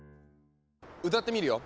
歌ってみるよ。